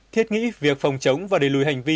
thiết nghĩ việc phòng chống và đẩy lùi hành vi